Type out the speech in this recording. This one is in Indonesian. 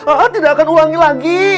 oh tidak akan ulangi lagi